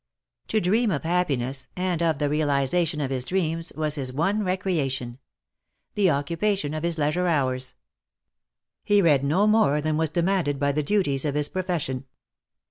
To dream of happiness and of the realization of his dreams was his one recreation — the occupation of his leisure hours. He read no more than was demanded by the duties of his profession.